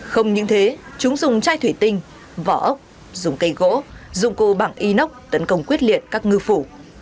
không những thế chúng dùng chai thủy tinh vỏ ốc dùng cây gỗ dụng cụ bảng inox tấn công quyết liệt các ngư phủ